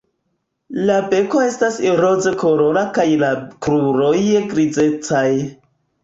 La beko estas rozkolora kaj la kruroj grizecaj.